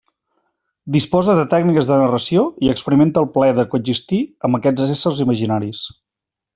Disposa de tècniques de narració i experimenta el plaer de coexistir amb aquests éssers imaginaris.